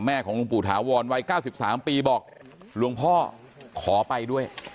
ของหลวงปู่ถาวรวัย๙๓ปีบอกหลวงพ่อขอไปด้วย